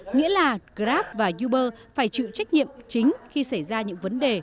nghĩa là grab và uber phải chịu trách nhiệm chính khi xảy ra những vấn đề